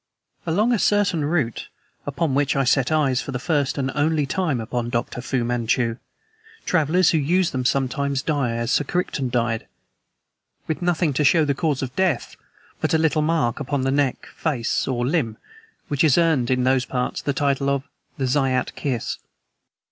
Along a certain route upon which I set eyes, for the first and only time, upon Dr. Fu Manchu travelers who use them sometimes die as Sir Crichton died, with nothing to show the cause of death but a little mark upon the neck, face, or limb, which has earned, in those parts, the title of the 'Zayat Kiss.'